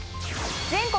全国